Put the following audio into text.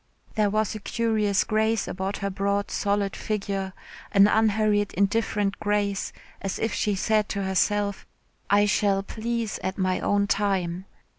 There was a curious grace about her broad solid figure, an unhurried indifferent grace, as if she said to herself, "I shall please at my own time."